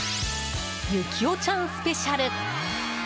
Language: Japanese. ゆきおちゃんスペシャル。